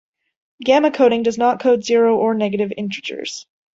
Gamma coding does not code zero or negative integers.